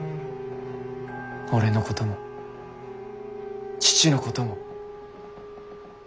俺のことも父のことも。